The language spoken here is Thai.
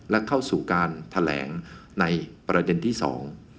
และเข้าสู่การแถลงในประเด็นที่สอง